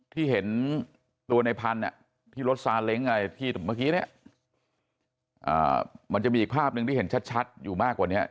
ที่เห็นตัวในพันธุ์นึงที่รสสารั้งไหนอย่างเมื่อกี้มันจะมีอีกภาพให้เห็นชัดอยู่มากกว่าแบบนี้